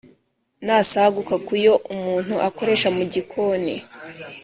ni asaguka ku yo umuntu akoresha mu gikoni